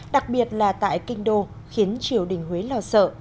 đặc biệt là tại kinh đô khiến triều đình huế lo sợ